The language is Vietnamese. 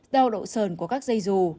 đau độ sờn của các dây dù